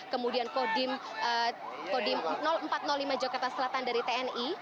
kemudian kodim empat ratus lima jakarta selatan dari tni